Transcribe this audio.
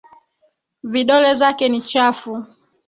Vidole zake ni chafu.